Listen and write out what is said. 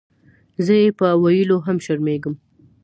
زۀ یې پۀ ویلو هم شرمېږم.